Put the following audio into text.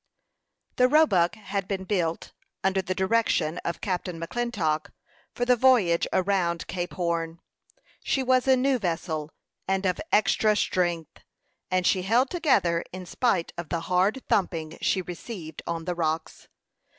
The Roebuck had been built, under the direction of Captain McClintock, for the voyage around Cape Horn. She was a new vessel, and of extra strength, and she held together in spite of the hard thumping she received on the rocks.